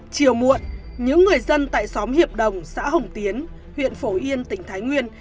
chiều muộn những người dân tại xóm hiệp đồng xã hồng tiến huyện phổ yên tỉnh thái nguyên